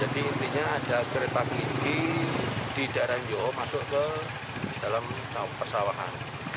jadi intinya ada kereta kelinci di daerah joho masuk ke dalam persawahan